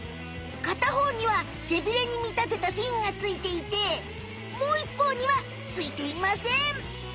かたほうには背ビレに見たてたフィンがついていてもういっぽうにはついていません。